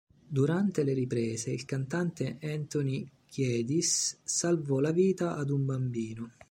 Durante le riprese, il cantante Anthony Kiedis salvò la vita ad un bambino.